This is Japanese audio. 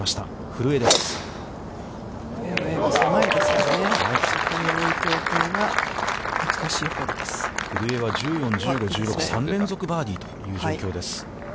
古江は１４、１５、１６と３連続バーディーという状況です。